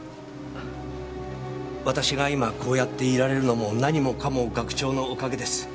私が今こうやっていられるのも何もかも学長のおかげです。